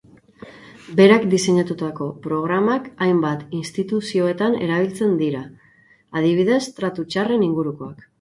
Berak diseinatutako programak hainbat instituzioetan erabiltzen dira, adibidez tratu-txarren ingurukoak.